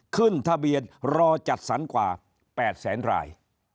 ขึ้นทะเบียนรอจัดสรรกว่า๘แสนราย